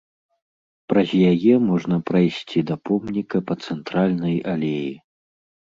Праз яе можна прайсці да помніка па цэнтральнай алеі.